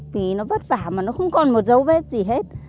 vì nó vất vả mà nó không còn một dấu vết gì hết